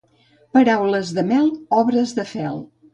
Paraules de mel, obres de fel.